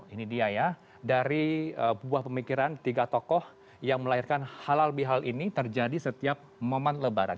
ini dia ya dari buah pemikiran tiga tokoh yang melahirkan halal bihalal ini terjadi setiap momen lebaran